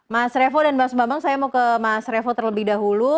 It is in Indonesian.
mas revo dan mas bambang saya mau ke mas revo terlebih dahulu